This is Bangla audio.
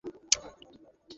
না, আমি এতটা পাগল নই!